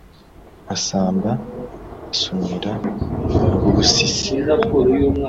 Asamba asumira Rwubusisi,